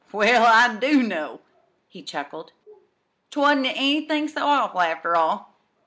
"Well, I do' know," he chuckled. "'T wa'n't anythin' so awful, after all.